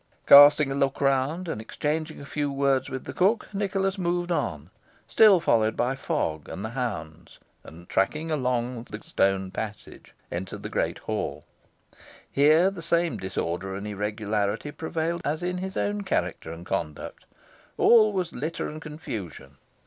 Casting a look around, and exchanging a few words with the cook, Nicholas moved on, still followed by Fogg and the hounds, and, tracking a long stone passage, entered the great hall. Here the same disorder and irregularity prevailed as in his own character and conduct. All was litter and confusion.